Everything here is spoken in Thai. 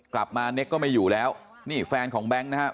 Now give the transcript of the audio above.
กลับมาเน็กค์ก็ไม่อยู่แล้วนี่แฟนของแบงค์นะฮะ